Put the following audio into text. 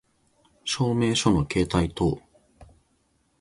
証明書の携帯等